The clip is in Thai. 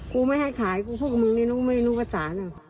กูไม่ให้ขายพวกมึงนี่ไม่รู้ประจาน